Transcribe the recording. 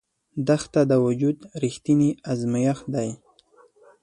دښته د وجود رښتینی ازمېښت دی.